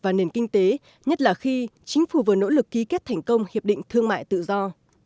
và nền kinh tế nhất là khi chính phủ vừa nỗ lực ký kết thành công hiệp định thương mại tự do